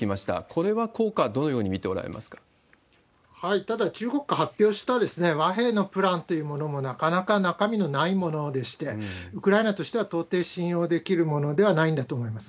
これは効果、どのように見ておらただ、中国が発表した和平のプランというものも、なかなか中身のないものでして、ウクライナとしては到底信用できるものではないんだと思います。